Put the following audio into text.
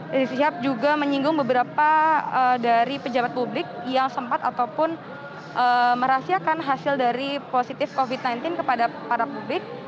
rizik sihab juga menyinggung beberapa dari pejabat publik yang sempat ataupun merahasiakan hasil dari positif covid sembilan belas kepada para publik